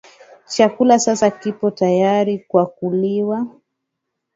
Chakula sasa kipo tayari kwa kuliwa